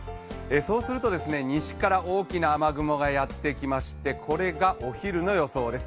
そうすると西から大きな雨雲がやって来ましてこれがお昼の予想です。